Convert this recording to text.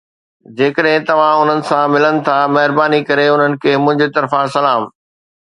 جيڪڏهن توهان انهن سان ملن ٿا، مهرباني ڪري انهن کي منهنجي طرفان سلام